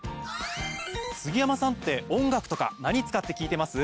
杉山さんって音楽とか何使って聞いてます？